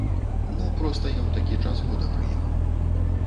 Ну, проста я ў такі час года прыехаў.